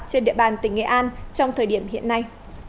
trên địa bàn tỉnh nghệ an trong thời điểm hiện nay